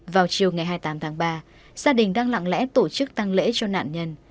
vào chiều ngày hai mươi tám tháng ba gia đình đang lặng lẽ tổ chức tăng lễ cho nạn nhân